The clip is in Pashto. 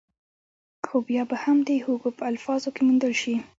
خو بيا به هم د هوګو په الفاظو کې وموندل شي.